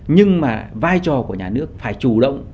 nhưng mà vai trò của nhà nước phải chủ động